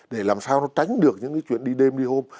để làm sao nó tránh được những cái chuyện đi đêm đi hôm